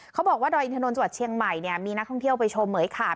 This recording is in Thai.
เขาบอกว่าดอยอินทรนดรเชียงใหม่มีนักท่องเที่ยวไปชมเหมือยขาบ